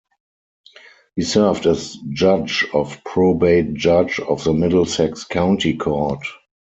He served as judge of probate judge of the Middlesex County Court.